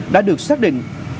đã được xác định